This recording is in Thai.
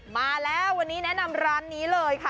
มาแล้ววันนี้แนะนำร้านนี้เลยค่ะ